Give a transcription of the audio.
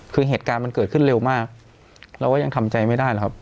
คือเหตุการณ์มันเกิดขึ้นเร็วมากเราก็ยังทำใจไม่ได้หรอกครับ